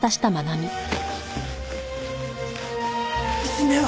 娘は？